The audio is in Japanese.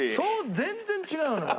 全然違うのよ。